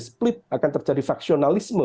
split akan terjadi faksionalisme